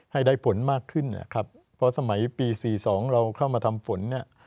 ให้ได้ผลมากขึ้นเพราะสมัยปี๔๒เราเข้ามาทำฝน